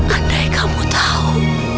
andai kamu tahu